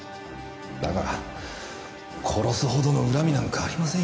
だから殺すほどの恨みなんかありませんよ。